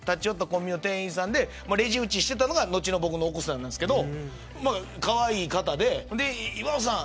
コンビニの店員さんでレジ打ちしてたのが後の僕の奥さんなんですけどかわいい方で、岩尾さん